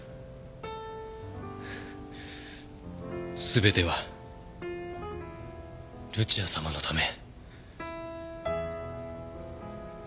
全てはルチアさまのため。